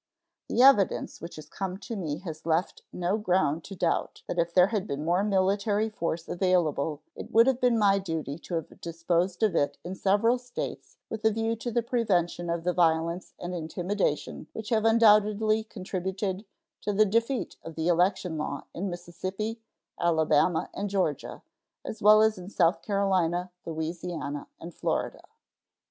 The evidence which has come to me has left me no ground to doubt that if there had been more military force available it would have been my duty to have disposed of it in several States with a view to the prevention of the violence and intimidation which have undoubtedly contributed to the defeat of the election law in Mississippi, Alabama, and Georgia, as well as in South Carolina, Louisiana, and Florida.